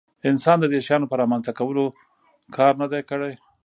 انسان د دې شیانو په رامنځته کولو کار نه دی کړی.